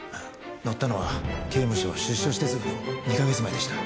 乗ったのは刑務所を出所してすぐの２カ月前でした。